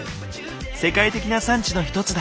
世界的な産地の一つだ。